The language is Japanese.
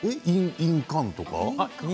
印鑑とか？